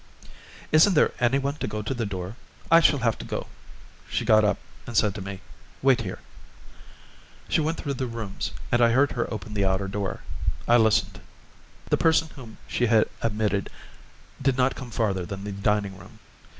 "Isn't there anyone to go to the door? I shall have to go." She got up and said to me, "Wait here." She went through the rooms, and I heard her open the outer door. I listened. The person whom she had admitted did not come farther than the dining room.